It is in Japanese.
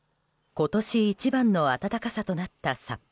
今年一番の暖かさとなった札幌。